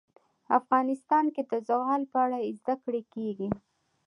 افغانستان کې د زغال په اړه زده کړه کېږي.